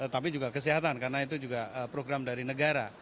tapi juga kesehatan karena itu juga program dari negara